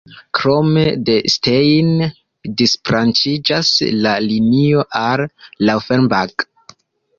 Krome de Stein disbranĉiĝas la linio al Laufenburg.